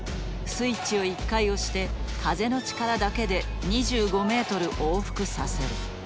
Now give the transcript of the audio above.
スイッチを１回押して風の力だけで２５メートル往復させる。